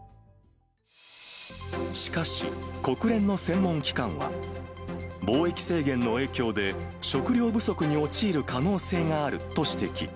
しかし、国連の専門機関は、貿易制限の影響で、食糧不足に陥る可能性があると指摘。